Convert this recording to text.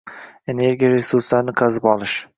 energiya resurslarini qazib olish